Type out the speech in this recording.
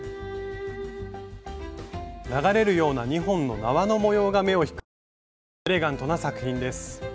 流れるような２本の縄の模様が目を引くエレガントな作品です。